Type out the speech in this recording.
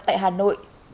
tại hà nội